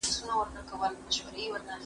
زه به سبا د کتابتوننۍ سره مرسته کوم؟!